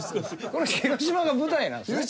これ広島が舞台なんですね？